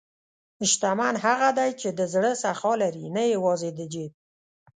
شتمن هغه دی چې د زړه سخا لري، نه یوازې د جیب.